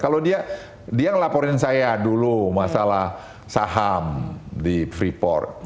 kalau dia dia ngelaporin saya dulu masalah saham di freeport